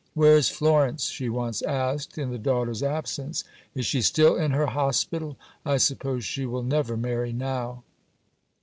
"Where is Florence?" she once asked, in the daughter's absence; "is she still in her hospital? I suppose she will never marry now."